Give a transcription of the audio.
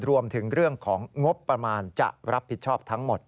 รวมถึงเรื่องของงบประมาณจะรับผิดชอบทั้งหมด